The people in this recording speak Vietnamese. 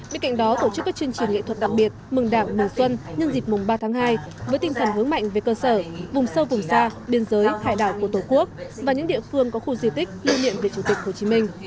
bên cạnh đó tổ chức các chương trình nghệ thuật đặc biệt mừng đảng mừng xuân nhân dịp mùng ba tháng hai với tinh thần hướng mạnh về cơ sở vùng sâu vùng xa biên giới hải đảo của tổ quốc và những địa phương có khu di tích lưu niệm về chủ tịch hồ chí minh